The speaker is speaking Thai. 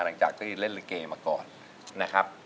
หลังจากที่เล่นลิเกมาก่อนนะครับ